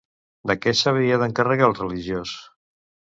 De què s'havia d'encarregar el religiós?